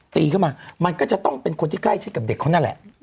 ตีเข้ามามันก็จะต้องเป็นคนที่ใกล้ชิดกับเด็กเขานั่นแหละ